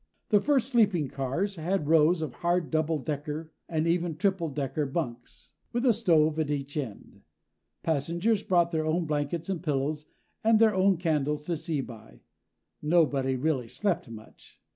The first sleeping cars had rows of hard double decker and even triple decker bunks, with a stove at each end. Passengers brought their own blankets and pillows, and their own candles to see by. Nobody really slept much.